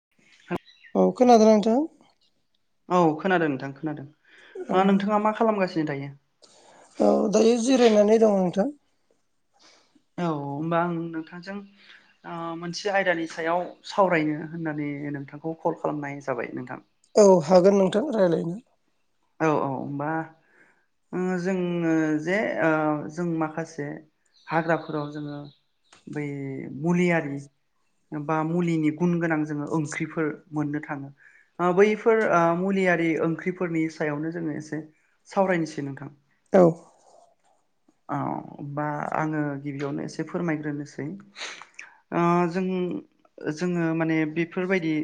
[inaudible] औ खोनादों नोंथां? औ खोनादों नोंथां औ खोनादों नोंथाङा मा खालामगासिनो दायो। औ दायो जिरायनानै दङ नोंथां। औ होमबा आं नोंथांजों ओ मोनसे आयदानि सायाव सावरायनो होननानै नोंथांखौ कल खालामनाय जाबाय नोंथां। औ हागोन नोंथां रायलायनो। औ औ होमबा ओ जोङो जे ओ जों माखासे हाग्राफोराव जोङो बै मुलियारि बा मुलिनि गुन गोनां जोङो ओंख्रिफोर मोननो थाङो। ओ बैफोर मुलियारि ओंख्रिफोरनि सायावनो जोङो एसे सावरायनोसै नोंथां। औ औ बा आङो गिबियावनो एसे फोरमायग्रोनोसै ओ जों जोङो माने बेफोरबायदि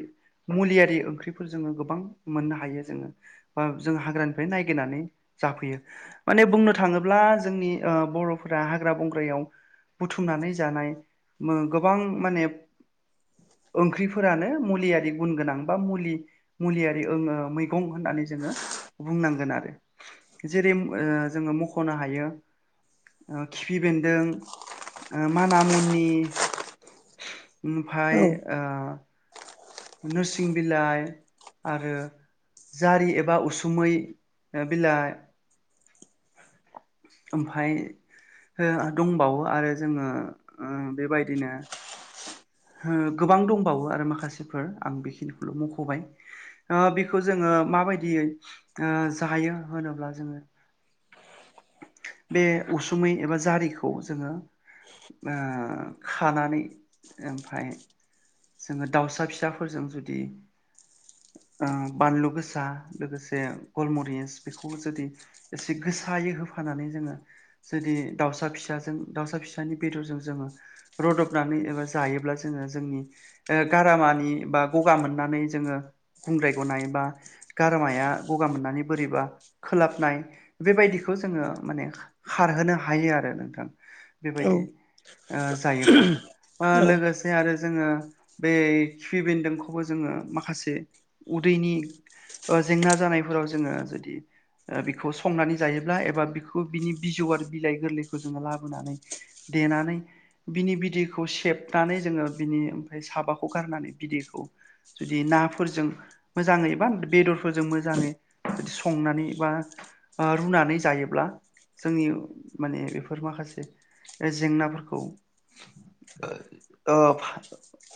मुलियारि ओंख्रिफोर जोङो गोबां मोननो हायो जोङो। बा जों हाग्रानिफ्राय नायगिरनानै जाफैयो माने बुंनो थाङोब्ला जोंनि ओ बर'फोरा हाग्रा बंग्रायाव बुथुमनानै जानाय मो गोबां माने ओंख्रिफोरानो मुलियारि गुन गोनां बा मुलि मुलियारि ओ मैगं होननानै जोङो बुंनांगोन आरो जेरै ओ जोङो मख'नो हायो। ओ खिफि बेन्दों माना मुनि ओमफाय औ ओ नोरसिं बिलाइ आरो जारि एबा उसुमै बिलाइ ओमफाय दंबावो आरो जोङो ओ बेबायदिनो गोबां दंबावो आरो माखासेफोर आं बेखिनिखौल' मख'बाय ओ बेखौ जोङो माबायदियै जायो होनोब्ला जोङो। बे उसुमै एबा जारिखौ जोङो ओ खानानै ओमफाय जोङो दाउसा फिसाफोरजों जुदि ओ बानलु गोसा लोगोसे गलमरिस बेखौ जुदि एसे गोसायै होफानानै जोङो जुदि दाउसा फिसाजों दाउसा फिसानि बेदरजों जोङो रदबनानै एबा जायोब्ला जोङो जोंनि ओ गारामानि बा गगा मोननानै जोङो गुंद्राय गनाय बा गारमाया गगा मोननानै बोरैबा खोलाबनाय बेबायदिखौ जोङो माने खारहोनो हायो आरो नोंथां। औ बेबायदि ओ जायोब्ला लोगोसे आरो जोङो बे खिफि बेन्दोंखौबो जोङो माखासे उदैनि ओ जेंना जानायफोराव जोङो जुदि ओ बिखौ संनानै जायोब्ला एबा बिखौ बिनि बिजौ आरो बिलाइ गोरलैखौ जोङो लाबोनानै देनानै बिनि बिदै खौ सेबनानै जोङो बिनि ओमफ्राय साबाखौ गारनानै बिदैखौ जुदि नाफोरजों मोजाङै एबा बेदरफोरजों मोजाङै जुदि संनानै एबा ओ रुनानै जायोब्ला जोंनि माने बेफोर माखासे जेंनाफोरखौ ओ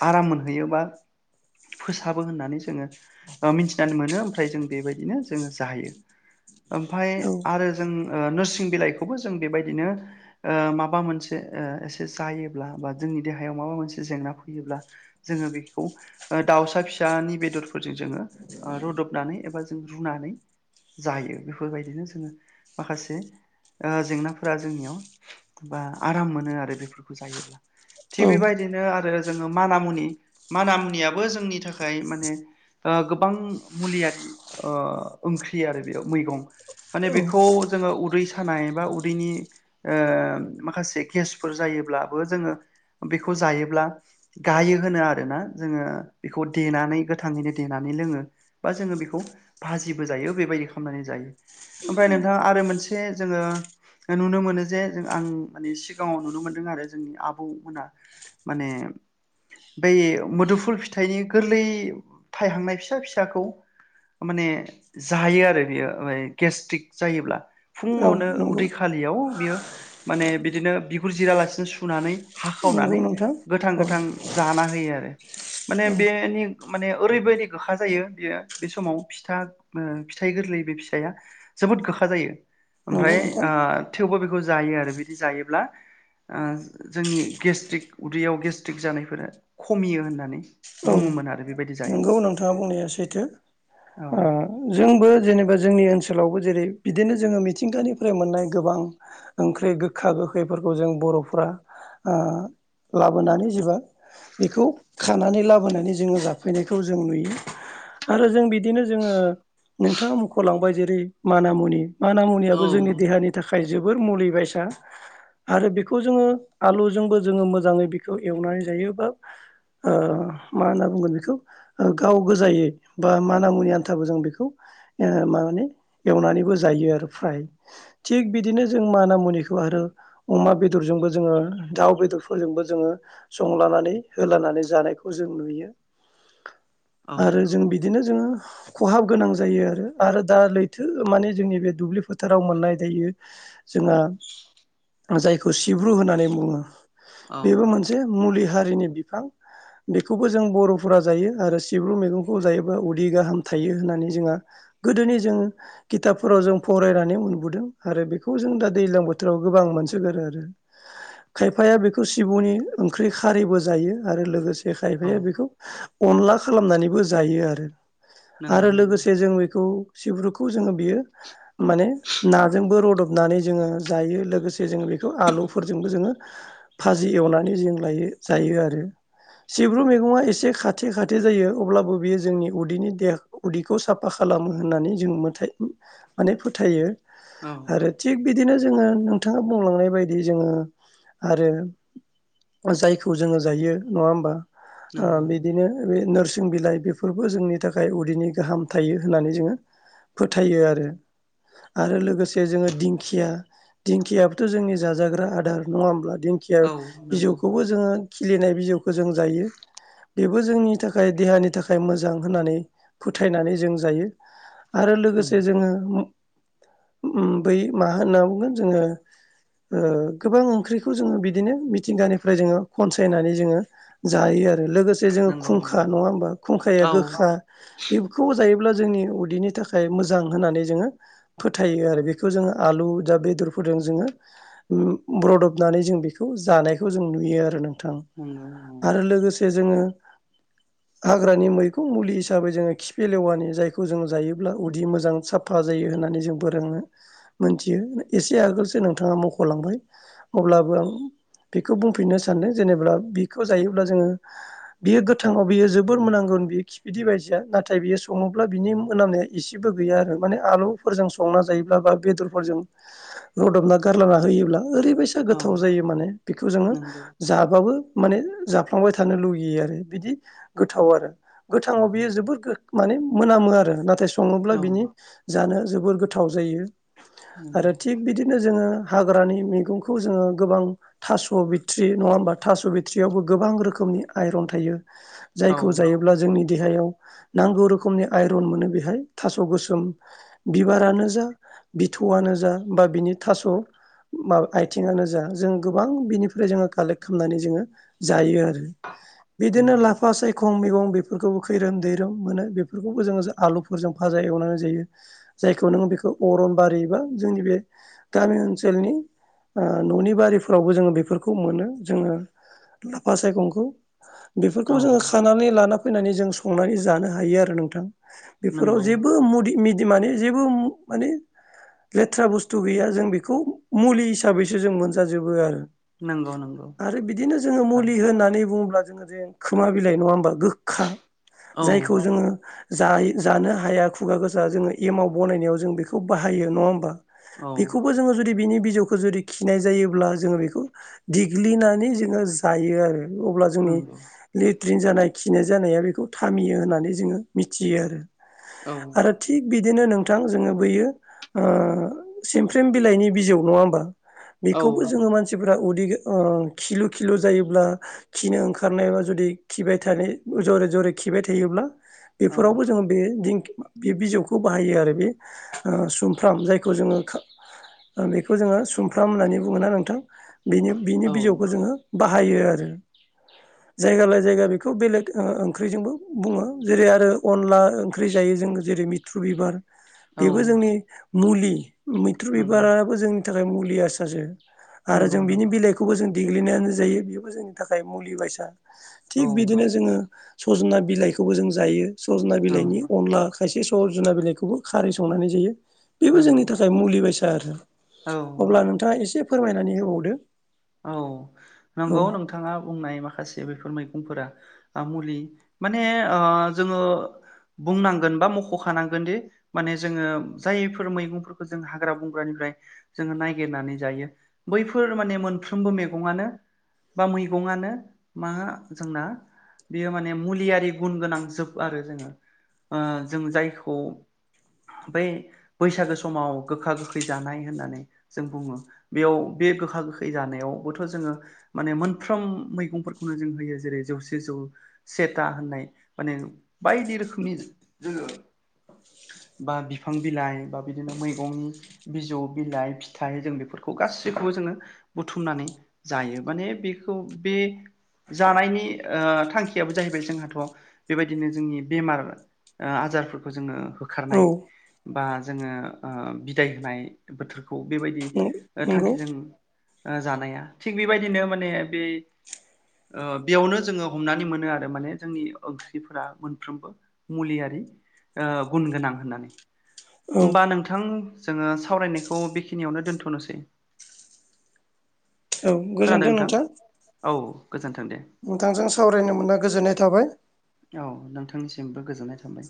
आराम मोनहैयोबा फोसाबो होननानै जोङो ओ मिथिनानै मोनो ओमफ्राय जों बेबायदिनो जोङो जायो। ओमफाय औ आरो जों ओ नोरसिं बिलाइखौबो जों बेबायदिनो ओ माबा मोनसे ओ एसे जायोब्ला बा जोंनि देहायाव माबा मोनसे जेंना फैयोब्ला जोङो बेखौ दाउसा फिसानि बेदरफोरजों जोङो रुदबनानै एबा जों रुनानै जायो बेफोरबायदिनो जोङो माखासे ओ जेंनाफोरा जोंनियाव ओ आराम मोनो आरो बेफोरखौ जायोब्ला। औ थिग बेबायदिनो आरो जोङो मानामुनि माना मुनियाबो जोंनि थाखाय माने ओ गोबां मुलियारि ओ ओंख्रि आरो बेयाव मैगं। माने बेखौ जोङो उदै सानाय बा उदैनि ओ माखासे गेसफोर जायोब्लाबो जोङो बेखौ जायोब्ला गायो होनो आरोना जोङो बेखौ देनानै गोथाङैनो देनानै लोङो। बा जोङो बेखौ भाजिबो जायो बेबायदि खालामनानै जायो। ओमफ्राय नोंथां आरो मोनसे जोङो नुनो मोनो जे जों आं माने सिगाङाव नुनो मोनदों आरो जोंनि आब बौ मोना माने बै मोदोमफुल फिथाइनि गोरलै थाइहांनाय फिसा फिसाखौ माने जायो आरो बेयो माने गेस्ट्रिक जायोब्ला। औ फुङावनो नंगौ उदै खालियाव बियो माने बिदिनो बिगुर जिरालासिनो सुनानै नंगौ हाखावनानै नोंथां गोथां औ गोथां जाना होयो आरो। माने औ बेनि माने ओरैबायदि गोखा जायो बेयो बे समाव फिथा फिथाइ गोरलै बे फिथाइया जोबोद गोखा जायो। नंगौ ओमफ्राय नोंथां ओ थेवबो बेखौ जायो आरो बिदि जायोब्ला जोंनि गेस्ट्रिक उदैयाव गेस्ट्रिक जानायफोरा खमियो होननानै। बुङोमोन आरो बेबायदि जायोमोन। गौ नोंथाङा बुंनाया सैथो औ ओ जोंबो जेनेबा जोंनि ओनसोलावबो जेरै बिदिनो जोङो मिथिंगानिफ्राय मोननाय गोबां ओंख्रि गोखा गोखैफोरखौ जों बर'फोरा ओ लाबोनानै जेबा बेखौ खानानै लाबोनानै जोङो जाफैनायखौ जों नुयो। आरो जों बिदिनो जोङो नोंथाङा मख'लांबाय जेरै माना मुनि मान मुनियाबो औ जोंनि देहानि थाखाय जोबोर मुलि बयसा आरो बेखौ जोङो आलुजोंबो जोङो मोजाङै बेखौ एवनानै जायोबा ओ मा होनना बुंगोन बेखौ? ओ गाव गोजायै बा माना मुनि आन्थाबो जों बेखौ ओ माने एवनानैबो जायो आरो फ्राय। थिग बिदिनो जों माना मुनिखौ आरो अमा बेदरजोंबो जोङो दाउ बेदरफोरजोंबो जोङो संलानानै होलानानै जानायखौ जों नुयो। औ आरो जों बिदिनो जोङो खहाब गोनां जायो आरो आरो दा लैथो माने जोंनि बे दुब्लि फोथाराव मोननाय दायो जोंहा जायखौ सिब्रु होननानै बुङो। बेबो मोनसे मुलि हारिनि बिफां बेखौबो जों बर'फोरा जायो आरो सिब्रु मैगंखौ जायोबब्ला उदै गाहाम थायो होननानै जोंहा गोदोनि जोङो खिथाबफोराव जों फरायनानै मोनबोदों आरो बेखौ जों दा दैज्लां बोथोराव गोबां मोनसोगारो आरो। खायफाया बेखौ सिबुनि ओंख्रि खारैबो जायो आरो लोगोसे औ खायफाया बेखौ अनला खालामनानैबो जायो आरो नंगौ आरो नंगौ लोगोसे जों बेखौ सिब्रुखौ जोङो बियो माने नाजोंबो रदबनानै जोङो जायो लोगोसे जे जोङो बेखौ आलुफोरजोंबो जोङो भाजि एवनानै जों लायो जायो आरो सिब्रु मैगंङा एसे खा थि खाथो जायो अब्लाबो बेयो जोंनि उदैनि देहा उदैखौ साफा खालामो होननानै जों मोथाय माने फोथायो औ आरो थिग बिदिनो जोङो नोंथाङा बुंलांनाय बायदि जोङो आरो जायखौ जोङो जायो नङा होमबा ओ नंगौ बि बिदिनो बे नोरसिं बिलाइ बेफोरबो जोंनि थाखाय उदैनि गाहाम थायो होननानै जोङो फोथायो आरो आरो लोगोसे जोङो दिंखिया दिंखियाबथ' जोंनि जाजाग्रा आदार नङा होमब्ला। दिं खिआ औ नंगौ बिजौखौबो जोङो खिलिनाय बिजौखौ जों जायो। बेबो जोंनि थाखाय देहानि थाखाय मोजां होननानै फोथायनानै जों जायो। आरो लोगोसे नंगौ जोङो बै मा होनना बुंगोन जोङो गोबां ओंख्रिखौ जोङो बिदिनो मिथिंगानिफ्राय जोङो खनसायनानै जोङो जायो आरो लोगोसे जोङो खुंखा नंगौ नङा होमबा खुंखाया औ गोखा। बेखौ जायोब्ला जोंनि उदैनि थाखाय मोजां होननानै जोङो फोथायो आरो बेखौ जोङो आलु दा बेदरफोरजों जोङो ब्रदबनानै जों बेखौ जानायखौ जों नुयो आरो नोंथां। नंगौ आरो लोगोसे जोङो हाग्रानि मैखौं मुलि हिसाबै जोङो खिफ लेवानि जायखौ जों जायोब्ला उददि मोजां साफ फा जायो होननानै जोंबो रोङो मोनथियो एसे आगोलसो नोंथाङा मख'लांबाय अब्लाबो आं बेखौ बुंफिननो सानदों जेनेबा बेखौ जायोब्ला जोङो बियो गोथांबा बियो जोबोर मोनांगोन बियो खिफिदै बायदिसो नाथाय बियो सङोब्ला बिनि मोनामनाया एसेबो गैया आरो माने आलौ फोरजों संना जायोब्ला बा बेदरफोजों रुदबना गारना होयोब्ला ओरैबायसा एसे औ गोथाव जायो माने बेखौ जोङो नंगौ जाबाबो माने जाफ्लांबाय थानो लुगैयो आरो। बिदि गोथाव आरो। गोथांआव बियो जोबोद माने मोनामो आरो नाथाय सङोब्ला औ बिनि जानो जोबोर गोथाव जायो नंगौ आरो थिग बिदिनो जोङो हाग्रानि मैगंखौ जोङो गोबां थास' बिथट्रि नङा होमबा थास' बिथट्रियावबो गोबां रोखोमनि आयरन थायो। औ जायखौ जायो अब्ला जोंनि देहायाव नांगौ रोखोमनि आइरन मोनो बेहाय थास' गोसोम। बिबारानो जा बिथौआनो जा बा बिनि थास' माबा आइथिंआनो जा, जों गोबां बिनिफ्राय जोङो कालेक्ट खालामनानै जोङो जायो आरो। बिदिनो नंगौ लाफा साय खं मैगं बेफोरखौबो खैरोम दैरोम मोनो बेफोरखौबो जोङो आलुफोरजों भाजा एवनानै जायो। जायखौ नों बेखौ अरन बारि बा जोंनि बे गामि ओनसोलनि न'नि बारिफोरावबो जोङो बेफोरखौ मोनो जोङो लाफा सायखंखौ बेफोरखौ औ जोङो खानानै लाना फैनानै जों संनानै जानो हायो आरो नोंथां। बेफोराव नंगौ जेबो मदि मिडिमानि जेबो माने लेथ्रा बुस्थु गैया जों बेखौ मुलि हिसाबैसो जों मोनजाजोबो आरो। नंगौ नंगौ आरो बिदिनो जोङो मुलि थारैनो होननानै बुङोब्ला जोङो जे खोमा बिलाइ नङा होमबा गोखा औ जायखौ जोङो जा जानो हाया खुगा गोजा जोङो एमाव बनायनायाव जों बेखौ बाहायो नङा होमबा? औ बेखौबो जोङो जुदि बिनि बिजौ खौ जुदि खिनाय जायोब्ला जोङो बेखौ देग्लिनानै जोङो जायो आरो अब्ला जोंनि नंगौ लेट्रिन जानाय खिनाय जानाया बेखौ थामियो होननानै जोङो मिथियो आरो। औ आरो थिग बिदिनो नोंथां जोङो बैयो सिमफ्रेम बिलाइनि बिजौ नङा होमबा। औ बेखौबो जोङो मानसिफोरा उदै किलु किलु जायोब्ला खिनो ओं खारनायबा जुदि खिबाय थानाय जरे जरे खिबाय थायोब्ला औ बेफोरावबो जोङो बे दिंखि बे बिजौखौ बाहायो आरो बे सुमफ्राम जायखौ जोङो बेखौ जोङो सुमफ्राम होननानै बुङोना नोंथां। बेनि बिनि बिजौखौ औ जोङो बाहायो आरो। जायगाालाय जायगा बेखौ बेलेग ओंख्रिजोंबो बुङो जेरै आरो अनला ओंख्रि जायो जों जेरै मिथ्रु बिबार औ बेबो जोंनि मुलि। मैथ्रु नंगौ बिबाराबो जोंनि थाखाय मुलिया सारासो आरो नंगौ जों बिनि नंगौ बिलाइखौ बे खौबो जों देग्लिनायानो जायो बेबो जोंनि थाखाय मुलि बायसा औ थिग बिदिनो जोङो सज'ना बिलाइखौबो जों जायो सज'ना औ बिलाइनि अनला खायसे स'जना बिलाइखौबो खारै संनानै जायो बेबो नंगौ जोंनि थाखाय मुलि बायसा आरो औ अब्ला नोंथांआ एसे फोरमायनानै होबावदो औ औ नंगौ नोंथांआ बुंनाय माखासे बेफोर मैगंफोरा ओ मुलि माने ओ जोङो बुंनांगोन बा मख'खानांगोन दि माने जोङो जायफोर मैगंफोरखौ जों हाग्रा बंग्रानिफ्राय जोङो नायगिरनानै जायो बैफोर माने मोनफ्रोमबो मैगंआनो बा मैगंआनो मा जोंना बेयो माने मुलिआरि गुन गोनां जोब आरो जोङो ओ‌ जों जायखौ आमफाय बैसागो समाव गोखा गोखै जानाय होननानै जों बुङो बेआव बे गोखा गोखै जानाय बावबोथ' जोङो माने मोनफ्रोम मैगंफोरखौनो जों होयो जेरै जौसे जौ सेथा होननाय माने बायदि रोखोमनि जों जोङो बा बिफां बिलाइ बा बिदिनो मैगं बिजौ बिलाइ फिथाइ जों बेफोरखौ गासैखौबो जोङो बुथुमनानै जायो माने बेखौ बे जानायनि ओ थांखिआबो जाहैबाय जोंहोथ' बेबायदिनो जोंनि बेमार ओ आजारफोरखौ जोङो औ होखारनाय बा जोङो ओ बिदाय होनाय बोथोरखौ बेबायदि नंगौ थांखिजों ओ जानाया थिग बेबायदिनो माने बे ओ बेआवनो जोङो हमनानै मोनो आरो माने जोंनि ओंख्रिफोरा मोनफ्रोमबो मुलिआरि ओ गुन गोनां होननानै औ होमबा नोंथां जोङो सावरायनायखौ बेखिनिआवनो दोन्थ'नोसै औ खोनादों गोजोनथों नोंथां औ गोजोन्थों दे नोंथांजों सावरायनो मोना गोजोननाय थाबाय औ नोंथांनिसिमबो गोजोननाय थाबाय